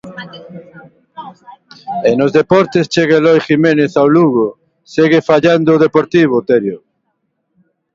E nos deportes, chega Eloi Jiménez ao Lugo, segue fallando o Deportivo, Terio.